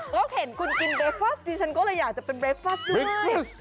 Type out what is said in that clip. ก็เห็นคุณกินเบรกฟอสดีฉันก็เลยอยากจะเป็นเบรกฟอสด้วย